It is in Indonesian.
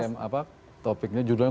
ini topiknya judulnya